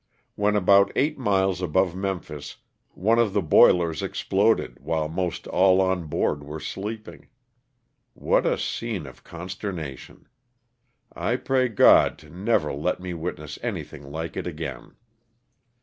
When about eight miles above Memphis one of the boilers exploded while most all on board were sleeping. What a scene of consternation! I pray God to never let me witness anything like it again.